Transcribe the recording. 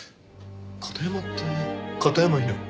片山って片山雛子？